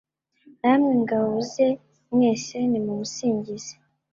namwe ngabo ze mwese nimumusingize